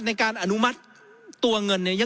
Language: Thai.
ในการอนุมัติตัวเงินเนี่ย